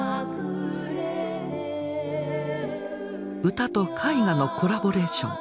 歌と絵画のコラボレーション。